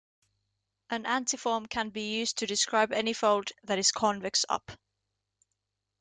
An antiform can be used to describe any fold that is convex up.